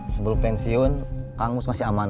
sebelum pensiun kang mus masih amanat